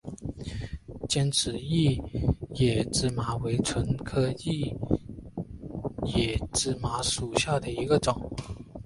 尖齿异野芝麻为唇形科异野芝麻属下的一个变种。